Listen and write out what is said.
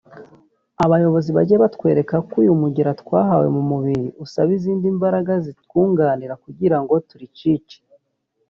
abayobozi…bajye batwereka ko uyu mugera twahawe mu mubiri usaba izindi mbaraga zitwunganira kugira ngo turicike